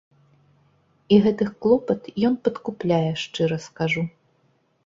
І гэты клопат ён падкупляе, шчыра скажу.